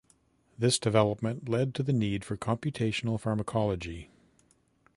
This development led to the need for computational pharmacology.